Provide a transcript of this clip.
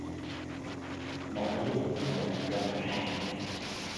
Mỗi lúc một rõ ràng